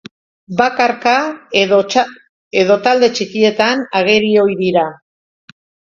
Bakarka edo talde txikietan ageri ohi dira.